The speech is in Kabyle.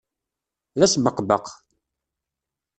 D asbeqbeq.